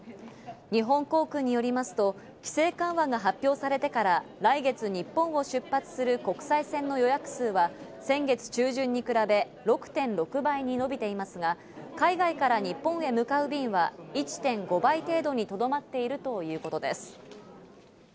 日本航空によりますと、規制緩和が発表されてから来月日本を出発する国際線の予約数は先月中旬に比べ６．６倍に伸びていますが、海外から日本へ向かう便は１．５倍程度にとどまっているということです。